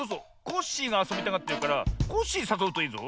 コッシーがあそびたがってるからコッシーさそうといいぞ。